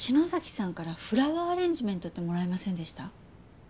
さんからフラワーアレンジメントってもらいませんでした？